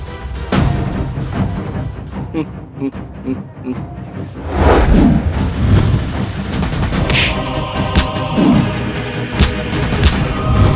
aku akan menghabisimu papa